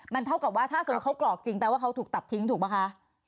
มันเท่ากับว่าถ้าสมมุติเขากรอกจริงแปลว่าเขาถูกตัดทิ้งถูกป่ะคะ